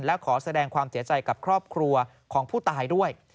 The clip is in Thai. และขอแสดงความเสียใจกับครอบครัวของผู้ตายด้วย